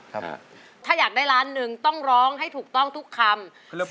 ถ้าอยากได้ล้านหนึ่งต้องร้องให้ถูกต้องทุกคำ